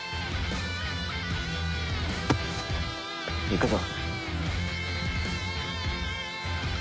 行くぞ。